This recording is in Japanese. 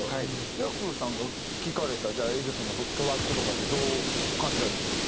Ｙａｆｆｌｅさんが聴かれた『エジソン』のトラックとかってどう感じられたんですか？